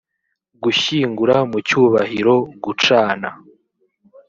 gushyingura mu cyubahiro gucana